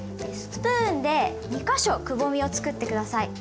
スプーンで２か所くぼみをつくって下さい。